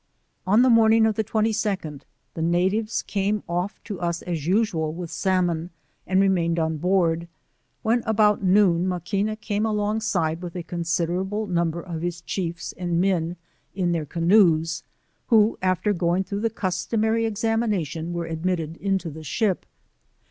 On the morning of the 22d, the natives came off to us as usual with salmon, and remained on board ; when about noon xMaquina came along side, with a considerable number of his chiefs and tiien in tliejr canoes, who after going through the customary examination, were admitted into the sh?p.